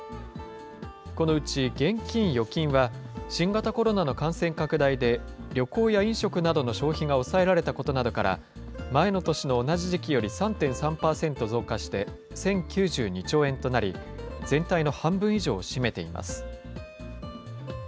このうち現金・預金は、新型コロナの感染拡大で、旅行や飲食などの消費が抑えられたことなどから、前の年の同じ時期より３．３％増加して、１０９２兆円となり、全体の半分以上を占めています。